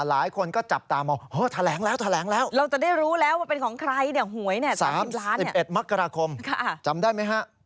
หลายคนก็จับตาม